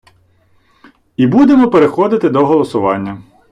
І будемо переходити до голосування.